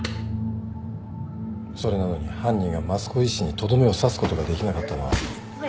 それなのに犯人が益子医師にとどめを刺すことができなかったのは。